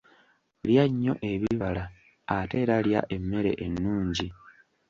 Lya nnyo ebibala ate era lya emmere ennungi.